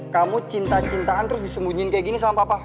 kamu cinta cintaan terus disembunyiin kayak gini sama papa